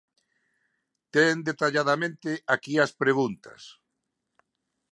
Ten detalladamente aquí as preguntas.